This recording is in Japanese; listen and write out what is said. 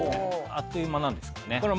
あっという間なんですよね。